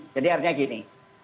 jadi artinya gini